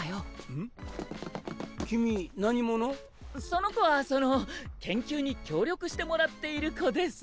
その子はその研究に協力してもらっている子です。